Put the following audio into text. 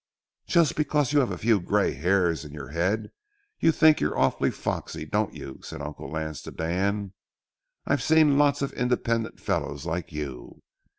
"Just because you have a few gray hairs in your head you think you're awful foxy, don't you?" said Uncle Lance to Dan. "I've seen lots of independent fellows like you.